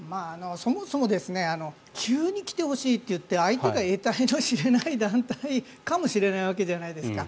そもそも急に来てほしいと言って相手が得体の知れない団体かもしれないわけじゃないですか。